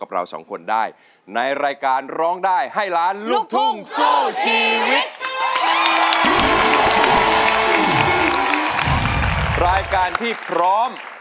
รายการที่พร้อม